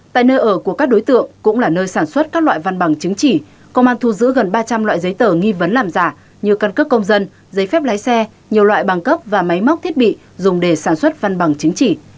tại nơi ở của các đối tượng cũng là nơi sản xuất các loại văn bằng chứng chỉ công an thu giữ gần ba trăm linh loại giấy tờ nghi vấn làm giả như căn cước công dân giấy phép lái xe nhiều loại bằng cấp và máy móc thiết bị dùng để sản xuất văn bằng chứng chỉ